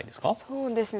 そうですね。